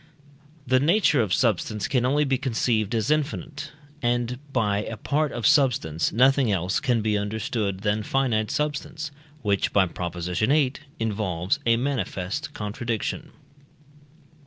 The nature of substance can only be conceived as infinite, and by a part of substance, nothing else can be understood than finite substance, which (by Prop. viii) involves a manifest contradiction.